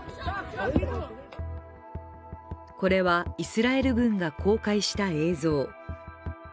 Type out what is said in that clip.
これはイスラエル軍が公開した映像。